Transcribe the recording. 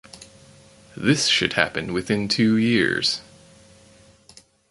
This should happen within two years.